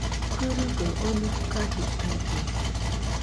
Kɨrɨgaɨ oni kajidaide